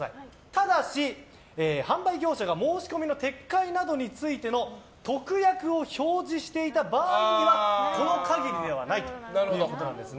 ただし販売業者が申込みの撤回などについての特約を表示していた場合にはこの限りではないとのことです。